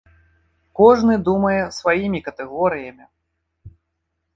Кожны думае сваімі катэгорыямі.